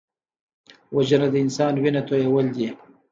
وژنه د انسان وینه تویول دي